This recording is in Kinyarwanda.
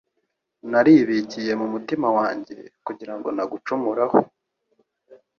naribikiye mu mutima wanjye, kugira ngo ntagucumuraho.”